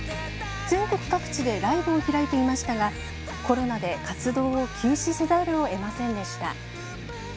全国各地でライブを開いていましたが、コロナで活動を休止せざるをえませんでした。